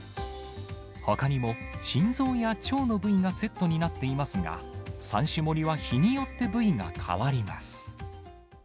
ほかにも心臓や腸の部位がセットになっていますが、３種盛りは日によって部位が変わります。